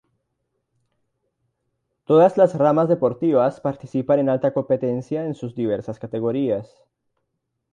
Todas las ramas deportivas participan en alta competencia en sus diversas categorías.